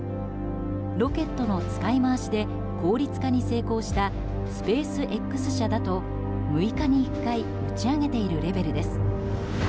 ロケットの使い回しで効率化に成功したスペースＸ社だと６日に１回打ち上げているレベルです。